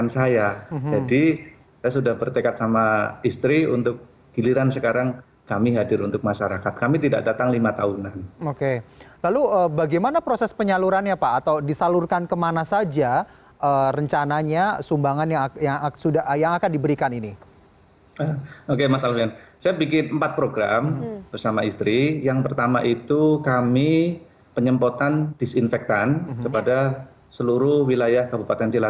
sekarang masyarakat yang membutuhkan saya